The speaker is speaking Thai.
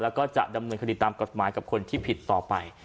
แล้วก็จะดำเนินคดีตามกฎหมายกับคนที่ผิดต่อไป